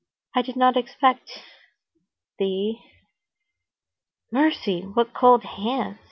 "I did not expect ... thee." "Mercy! what cold hands!"